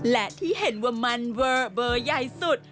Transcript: และที่เห็นว่ามันเวอร์เบอร์ใหญ่สุด